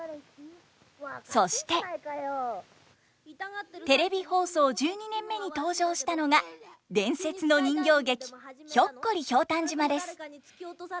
そしてテレビ放送１２年目に登場したのが伝説の人形劇「ひょっこりひょうたん島」です。